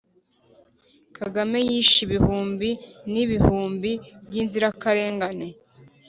kagame yishe ibihumbi n'ibihumbi by'inzirakarengane